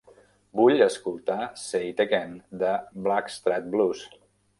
Vull escoltar Say It Again de Blackstratblues.